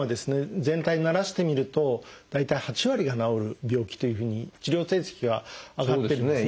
全体にならしてみると大体８割が治る病気というふうに治療成績は上がってるんですね。